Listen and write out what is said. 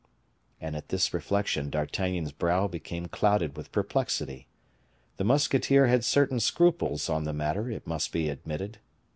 And at this reflection, D'Artagnan's brow became clouded with perplexity. The musketeer had certain scruples on the matter, it must be admitted.